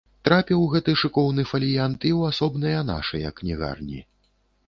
Трапіў гэты шыкоўны фаліянт і ў асобныя нашыя кнігарні.